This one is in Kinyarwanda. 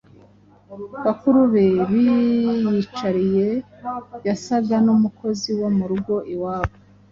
bakuru be biyicariye, yasaga n’umukozi wo mu rugo iwabo.